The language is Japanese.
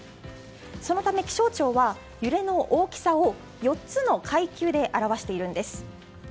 そのため、気象庁は揺れの大きさを４つの階級で表しているんです。